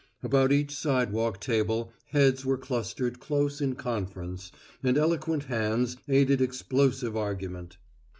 About each sidewalk table heads were clustered close in conference, and eloquent hands aided explosive argument.